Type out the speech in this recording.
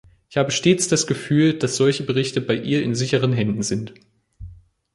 Ich habe stets das Gefühl, dass solche Berichte bei ihr in sicheren Händen sind.